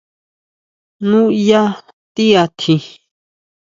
¿Nuyá tiʼatji?